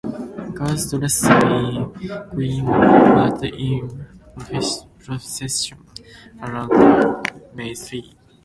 Girls dressed in green marched in procession around a May-tree.